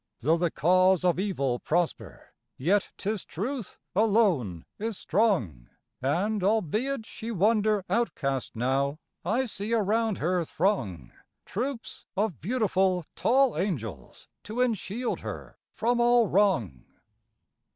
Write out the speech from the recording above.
Though the cause of Evil prosper, yet 'tis Truth alone is strong, And, albeit she wander outcast now, I see around her throng Troops of beautiful, tall angels, to enshield her from all wrong.